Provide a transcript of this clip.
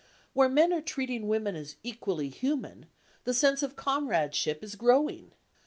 Where men are treating women as equally human, the sense of comradeship is growing.